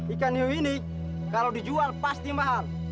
ikan hiu ini kalau dijual pasti mahal